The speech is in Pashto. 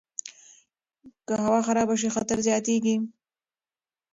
که هوا خرابه شي، خطر زیاتیږي.